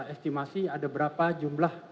estimasi ada berapa jumlah